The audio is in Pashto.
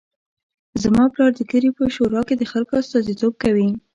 زما پلار د کلي په شورا کې د خلکو استازیتوب کوي